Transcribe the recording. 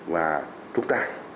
và chúng ta